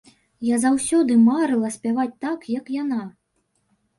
Я заўсёды марыла спяваць так, як яна.